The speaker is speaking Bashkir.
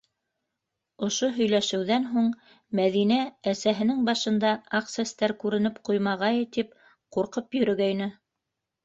Ошо һөйләшеүҙән һуң Мәҙинә әсәһенең башында аҡ сәстәр күренеп ҡуймағайы тип ҡурҡып йөрөгәйне.